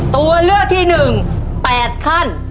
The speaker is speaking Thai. ตัวเลือกที่๑๘ขั้น